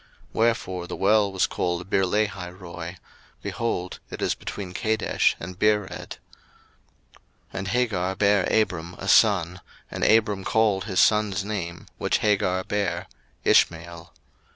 01:016:014 Wherefore the well was called Beerlahairoi; behold, it is between Kadesh and Bered. 01:016:015 And Hagar bare Abram a son: and Abram called his son's name, which Hagar bare, Ishmael.